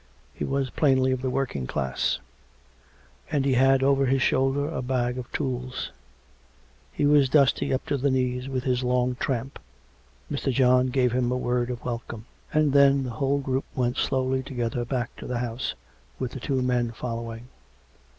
He was plainly of the working class; and he had over his shoulder a bag of tools. He was dusty up to the knees with his long tramp. Mr. John gave him a word of welcome; and then the whole group went slowly together back to the house, with the two men following.